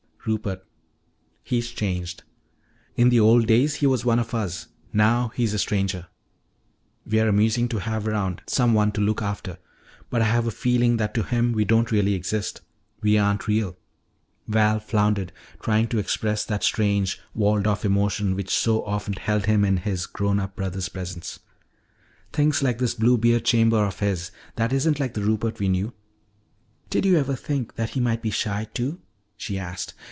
"Rupert. He's changed. In the old days he was one of us; now he's a stranger. We're amusing to have around, someone to look after, but I have a feeling that to him we don't really exist. We aren't real " Val floundered trying to express that strange, walled off emotion which so often held him in this grown up brother's presence. "Things like this 'Bluebeard's Chamber' of his that isn't like the Rupert we knew." "Did you ever think that he might be shy, too?" she asked.